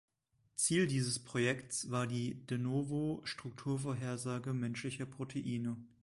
Ziel dieses Projekts war die "de novo"-Strukturvorhersage menschlicher Proteine.